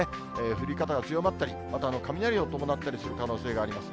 降り方が強まったり、また雷を伴ったりする可能性があります。